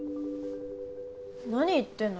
何言ってんの？